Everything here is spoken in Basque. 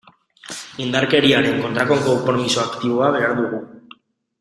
Indarkeriaren kontrako konpromiso aktiboa behar dugu.